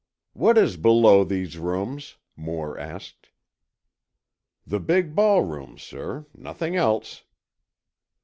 "What is below these rooms?" Moore asked. "The big ballroom, sir. Nothing else."